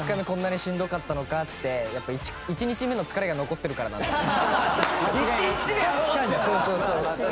こんなにしんどかったのかってやっぱ１日目の疲れが残ってるからなんだろうな。